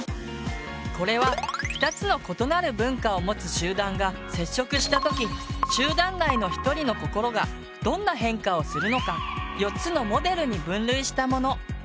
これは２つの異なる文化を持つ集団が接触したとき集団内の１人の心がどんな変化をするのか４つのモデルに分類したもの。